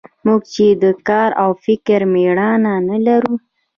موږ چې د کار او د فکر مېړانه نه لرو.